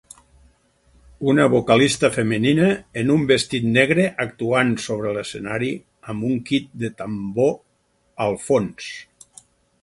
Una vocalista femenina en un vestit negre actuant sobre l'escenari amb un kit de tambor al fons.